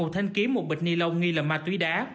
một thanh kiếm một bịch ni lông nghi là ma túy đá